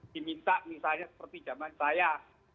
diminta misalnya seperti zaman saya